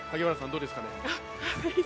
どうですかね。